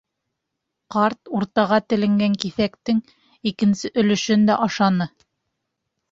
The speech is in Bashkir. Ҡарт уртаға теленгән киҫәктең икенсе өлөшөн дә ашаны.